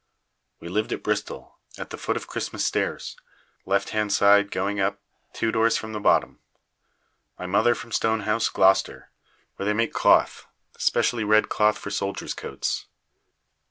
We lived at Bristol, at the foot of Christmas Stairs, left hand side going up, two doors from the bottom. My mother from Stonehouse, Gloster, where they make cloth, specially red cloth for soldiers' coats.